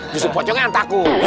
justru pocongnya yang takut